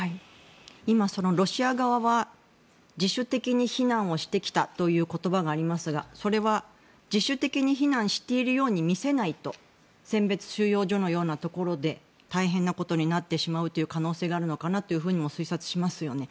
今、ロシア側は自主的に避難してきたという言葉がありますがそれは自主的に避難しているように見せないと選別収容所のようなところで大変なことになってしまう可能性があるのかなと推察しますよね。